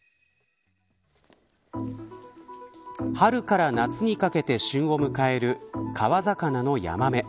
春から夏にかけて旬を迎える川魚のヤマメ。